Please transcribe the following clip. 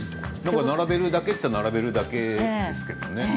並べるだけっちゃ並べるだけなんですけどね。